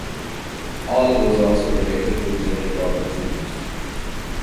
Ohl was also related to General Robert Toombs.